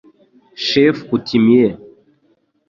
Chef Coutumier